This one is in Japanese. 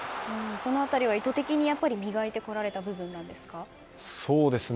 その辺りは意図的に磨いてこられたところですか。